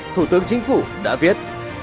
thủ tướng chính phủ đã viết